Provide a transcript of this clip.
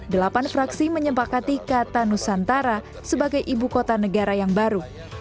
delapan fraksi menyempakati kata nusantara sebagai ibu kota negara yang baru